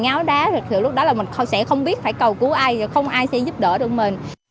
ngáo đá thì lúc đó là mình sẽ không biết phải cầu cứu ai không ai sẽ giúp đỡ được mình